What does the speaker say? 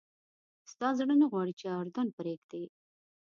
ستا زړه نه غواړي چې اردن پرېږدې.